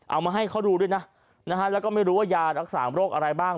เอามาให้เขาดูด้วยนะนะฮะแล้วก็ไม่รู้ว่ายารักษาโรคอะไรบ้าง